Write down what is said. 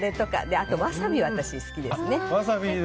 あとワサビが私は好きですね。